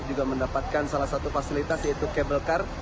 juga mendapatkan salah satu fasilitas yaitu kabel kar